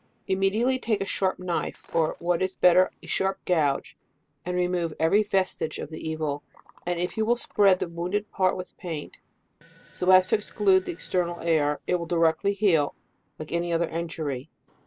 Im mediately take a sharp knife, or what is bet ter, a sharp gouge, and remove every vestige of the evil, and if you spread the wounded part with paint, so as to exclude the external air, it will directly heal, like any other injury.